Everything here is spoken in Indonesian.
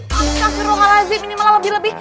masa seru gak lazim ini malah lebih lebih